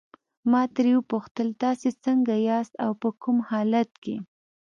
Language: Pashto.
ما ترې وپوښتل تاسي څنګه یاست او په کوم حالت کې.